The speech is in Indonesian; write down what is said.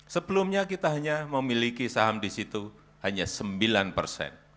sebelumnya kita hanya memiliki saham di situ hanya sembilan persen